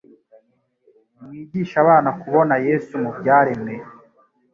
Nimwigishe abana kubona Yesu mu byaremwe.